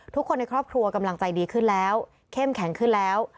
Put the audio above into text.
ทุกคนในครอบครัวกำลังใจดีขึ้นแล้วเข้มแข็งขึ้นแล้ว